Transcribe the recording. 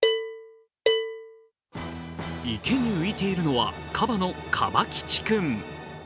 池に浮いているのはカバのカバキチ君。